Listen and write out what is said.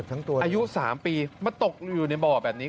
อายุ๓ปีมาตกอยู่ในบ่อแบบนี้